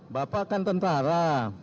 bapak kan tentara